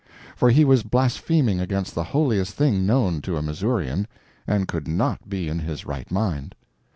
For he was blaspheming against the holiest thing known to a Missourian, and could NOT be in his right mind.